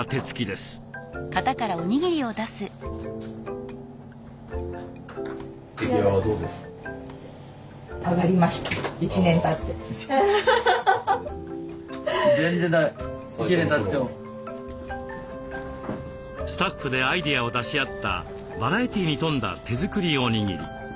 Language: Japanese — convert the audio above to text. スタッフでアイデアを出し合ったバラエティーに富んだ手作りおにぎり。